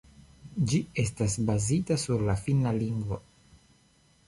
Ĝi estas bazita sur la Finna lingvo.